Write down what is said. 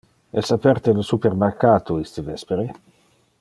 Es aperte le supermercato iste vespere?